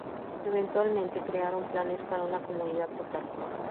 Eventualmente crearon planes para una "comunidad total".